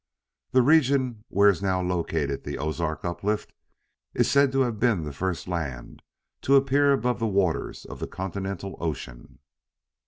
"The region where is now located the Ozark Uplift is said to have been the first land to appear above the waters of the continental ocean."